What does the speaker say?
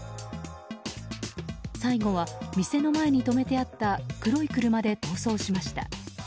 最後は店の前に止めてあった黒い車で逃走しました。